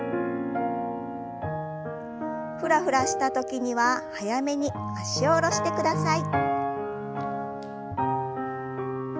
フラフラした時には早めに脚を下ろしてください。